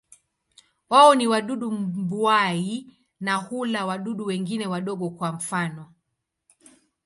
Wao ni wadudu mbuai na hula wadudu wengine wadogo, kwa mfano.